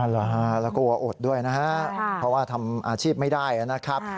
แล้วกลัวอดด้วยนะฮะเพราะว่าทำอาชีพไม่ได้นะครับ